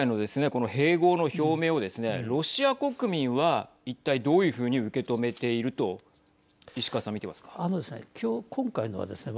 この併合の表明をですねロシア国民は一体どういうふうに受け止めているとあのですね、今回のはですね